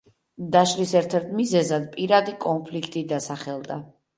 დაშლის ერთ-ერთი მიზეზად პირადი კონფლიქტი დასახელდა.